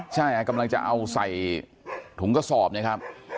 ใช่กำลังจะเอาใส่ถุงกระสอบนะครับ